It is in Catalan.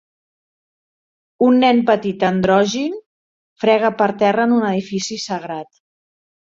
Un nen petit androgin frega per terra en un edifici sagrat